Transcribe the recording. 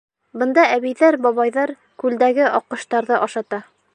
Бында әбейҙәр, бабайҙар күлдәге аҡҡоштарҙы ашата.